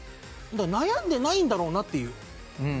悩んでないんだろうなっていう。